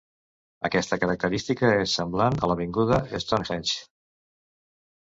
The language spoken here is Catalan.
Aquesta característica és semblant a l'avinguda Stonehenge.